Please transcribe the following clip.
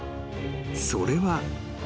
それは］